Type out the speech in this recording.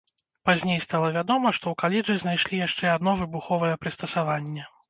Пазней стала вядома, што ў каледжы знайшлі яшчэ адно выбуховае прыстасаванне.